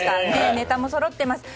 ネタもそろっています。